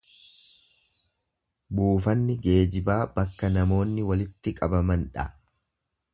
Buufanni geejibaa bakka namoonni walitti qabaman dha.